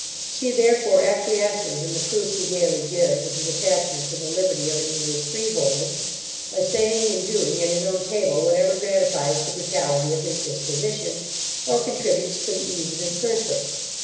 She, therefore, acquiesces in the proofs he daily gives of his attachment to the liberty of an English freeholder, by saying and doing, at his own table, whatever gratifies the brutality of his disposition, or contributes to the case of his person.